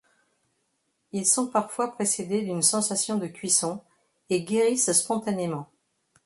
Ils sont parfois précédés d’une sensation de cuisson, et guérissent spontanément.